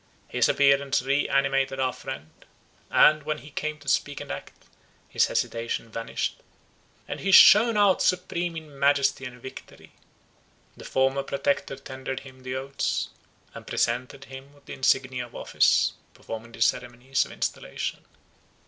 His appearance re animated our friend; and, when he came to speak and act, his hesitation vanished, and he shone out supreme in majesty and victory. The former Protector tendered him the oaths, and presented him with the insignia of office, performing the ceremonies of installation.